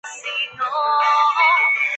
后担任郑州市纺织工业局局长。